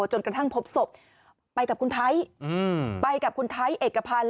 จนกระทั่งพบศพไปกับคุณไทยไปกับคุณไทยเอกพันธ์